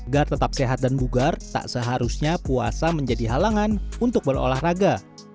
agar tetap sehat dan bugar tak seharusnya puasa menjadi halangan untuk berolahraga